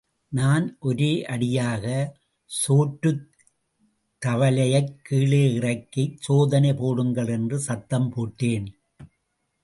நான் ஒரே அடியாக, சோற்றுத்தவலையைக் கீழே இறக்கிச் சோதனை போடுங்கள் என்று சத்தம் போட்டேன்.